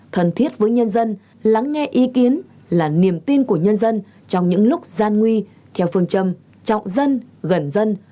thân thiết với nhân dân lắng nghe ý kiến là niềm tin của nhân dân trong những lúc gian nguy theo phương châm trọng dân gần dân